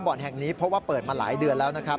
แห่งนี้เพราะว่าเปิดมาหลายเดือนแล้วนะครับ